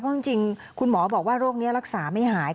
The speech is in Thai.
เพราะจริงคุณหมอบอกว่าโรคนี้รักษาไม่หาย